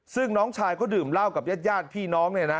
ซึ่งน้องชายเขาดื่มเหล้ากับญาติพี่น้องเนี่ยนะ